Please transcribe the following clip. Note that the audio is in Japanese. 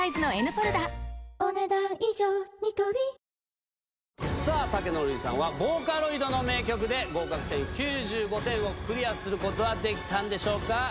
打ち抜いて竹野留里さんはボーカロイドの名曲で合格点９５点をクリアすることはできたんでしょうか。